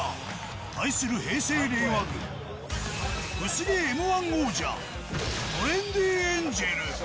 対する平成・令和軍、薄毛Ｍー１王者、トレンディエンジェル。